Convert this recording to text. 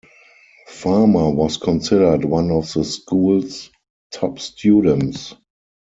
Farmer was considered one of the school's top students.